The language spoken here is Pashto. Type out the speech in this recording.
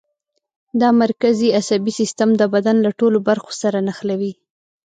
دا مرکزي عصبي سیستم د بدن له ټولو برخو سره نښلوي.